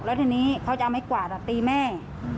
แล้วทีนี้เขาจะเอาไม้กวาดตีแม่